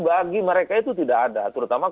bagi mereka itu tidak ada terutama